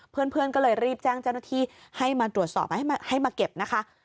เพื่อนก็เลยรีบแจ้งเจ้าหน้าที่ให้มาตรวจสอบให้มาเก็บนะคะ